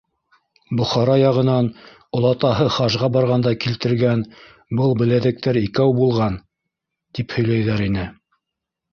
Бохара яғынан, олатаһы хажға барғанда килтергән был беләҙектәр икәү булған, тип һөйләйҙәр ине.